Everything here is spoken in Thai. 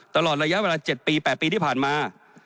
ตลอดระยะเวลา๗ปี๘ปีที่ผ่านมา